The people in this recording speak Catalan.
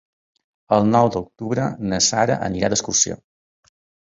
El nou d'octubre na Sara anirà d'excursió.